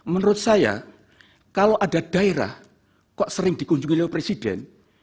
menurut saya kalau ada daerah kok sering dikunjungi oleh presiden